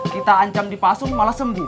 kita ancam dipasung malah sembuh